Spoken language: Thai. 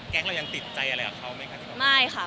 แก๊คเรายังติดใจอะไรกับเขาไหมค่ะ